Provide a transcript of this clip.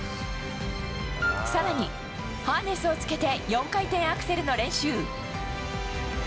さらに、ハーネスをつけて、４回転アクセルの練習。